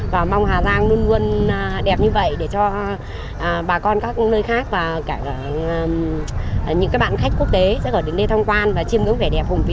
và mong hà giang luôn luôn đẹp như vậy để cho bà con các nơi khác và cả những bạn khách quốc tế sẽ có đến đây tham quan và chiêm ngưỡng vẻ đẹp hùng vĩ